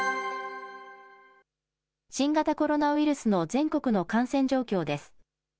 新型コロナウイルスの全国の感染状況です。